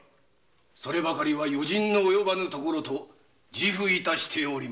そればかりは余人の及ばぬところと自負致しております。